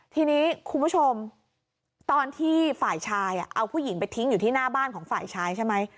ทีนี้คุณผู้ชมตอนที่ฝ่ายชายเอาผู้หญิงไปทิ้งอยู่ที่หน้าบ้านของฝ่ายชายใช่ไหม